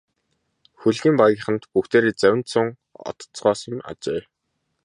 Хөлгийн багийнхан бүгдээрээ завинд суун одоцгоосон ажээ.